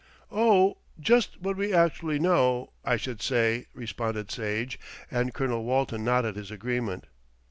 "Oh! just what we actually know, I should say," responded Sage, and Colonel Walton nodded his agreement.